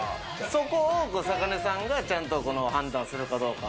そこは坂根さんが、ちゃんと判断するかどうか。